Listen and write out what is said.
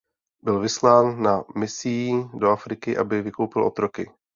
Byl vyslán na misií do Afriky aby vykoupil otroky.